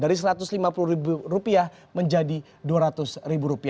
dari rp satu ratus lima puluh menjadi rp dua ratus